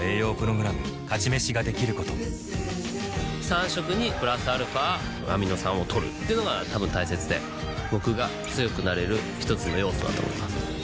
「勝ち飯」ができること３食にプラスアルファアミノ酸をとるっていうのがたぶん大切で僕が強くなれる一つの要素だと思います